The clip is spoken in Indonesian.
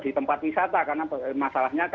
di tempat wisata karena masalahnya